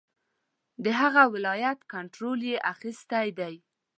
د هغه ولایت کنټرول یې اخیستی دی.